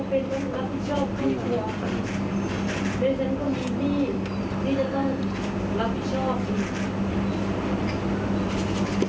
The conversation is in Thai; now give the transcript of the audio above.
เพราะฉะนั้นก็มีที่ที่จะต้องรับผิดชอบ